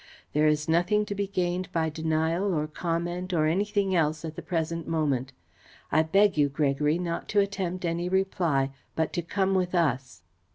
There is nothing to be gained by denial or comment or anything else, at the present moment. I beg you, Gregory, not to attempt any reply but to come with us."